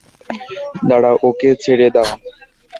দাড়াঁও, ওকে ছেড়ে দাও।